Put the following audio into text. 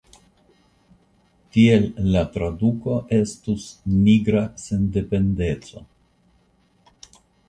Tial la traduko estus «Nigra Sendependeco».